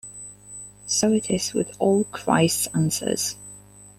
So it is with all Christ's answers.